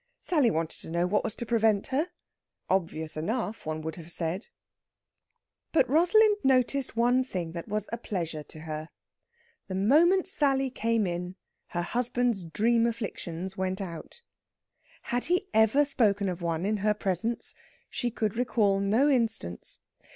Sally wanted to know what was to prevent her. Obvious enough, one would have said! But Rosalind noticed one thing that was a pleasure to her. The moment Sally came in, her husband's dream afflictions went out. Had he ever spoken of one in her presence? She could recall no instance.